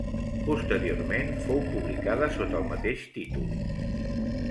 Posteriorment fou publicada sota el mateix títol.